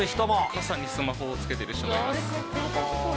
傘にスマホをつけている人がいます。